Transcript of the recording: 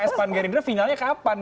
kalau pks pan gerindra finalnya kapan